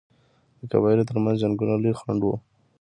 د قبایلو ترمنځ جنګونه لوی خنډ وو.